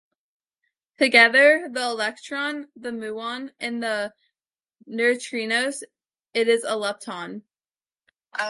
Together with the electron, the muon, and the three neutrinos, it is a lepton.